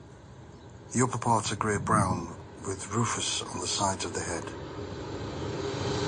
The upperparts are grey-brown, with rufous on the sides of the head.